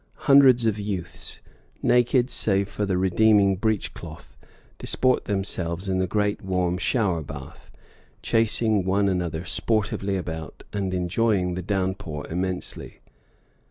Hundreds of youths, naked save for the redeeming breech cloth, disport themselves in the great warm shower bath, chasing one another sportively about and enjoying the downpour immensely.